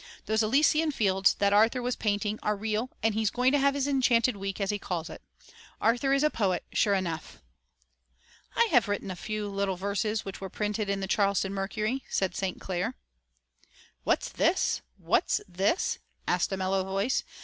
Those Elysian fields that Arthur was painting are real and he's going to have his enchanted week as he calls it. Arthur is a poet, sure enough." "I have written a few little verses which were printed in the Charleston Mercury," said St. Clair. "What's this? What's this?" asked a mellow voice.